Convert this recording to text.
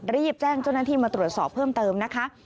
รีบแจ้งเจ้าหน้าที่มาตรวจสอบเพิ่มเติมนะคะ